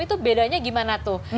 itu bedanya gimana tuh